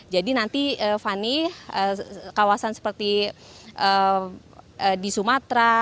jadi nanti fani kawasan seperti di sumatera